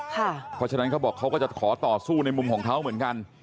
เพราะฉะนั้นเขาบอกเขาก็จะขอต่อสู้ในมุมของเขาเหมือนกัน